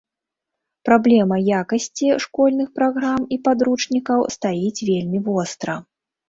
Праблема якасці школьных праграм і падручнікаў стаіць вельмі востра.